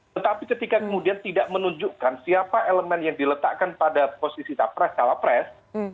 tetapi ketika kemudian tidak menunjukkan siapa elemen yang diletakkan pada posisi capres cawapres